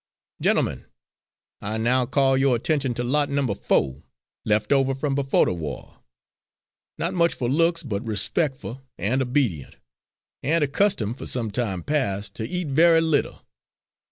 "Gentlemen, I now call yo'r attention to Lot Number Fo', left over from befo' the wah; not much for looks, but respectful and obedient, and accustomed, for some time past, to eat very little.